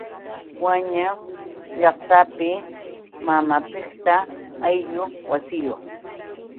Wañik llaqtapi mamapiqta ayllun wasiyuq.